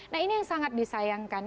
nah ini yang sangat disayangkan